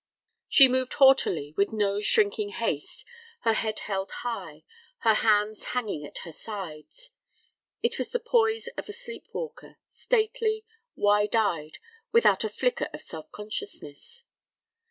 She moved haughtily, with no shrinking haste, her head held high, her hands hanging at her sides. It was the poise of a sleep walker, stately, wide eyed, without a flicker of self consciousness.